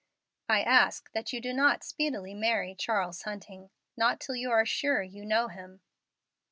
I ask that you do not speedily marry Charles Hunting not till you are sure you know him."